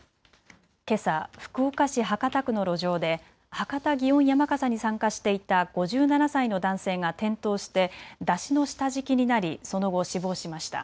けさ福岡市博多区の路上で博多祇園山笠に参加していた５７歳の男性が転倒して山車の下敷きになりその後、死亡しました。